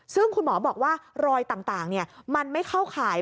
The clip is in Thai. ซึ่งคุณหมอบอกว่ารอยต่างมันไม่เข้าข่าย